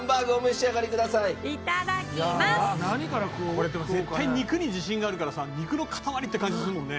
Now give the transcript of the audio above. これでも絶対肉に自信があるからさ肉の塊って感じするもんね。